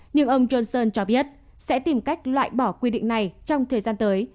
nhưng ông johnson cho biết sẽ tìm cách loại bỏ quy định này trong thời gian tới